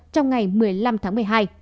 trong ngày một mươi năm tháng một mươi hai